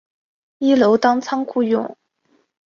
一楼当仓库用